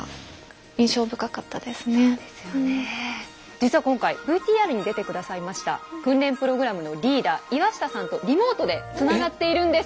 実は今回ＶＴＲに出てくださいました訓練プログラムのリーダー岩下さんとリモートでつながっているんです。